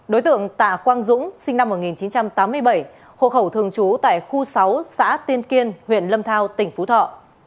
đối tượng tạ quang dũng sinh năm một nghìn chín trăm tám mươi bảy hộ khẩu thường trú tại khu sáu xã tiên kiên huyện lâm thao tỉnh phú thọ